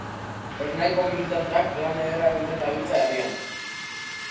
Ernaiko militanteak lan ederra egiten dabiltza herrian.